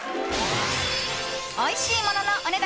おいしいもののお値段